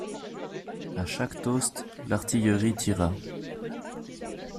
À chaque toast, l'artillerie tira.